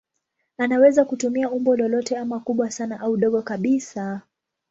Anaweza kutumia umbo lolote ama kubwa sana au dogo kabisa.